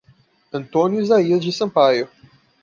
Antônio Izaias de Sampaio